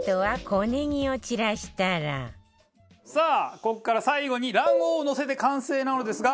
さあここから最後に卵黄をのせて完成なのですが。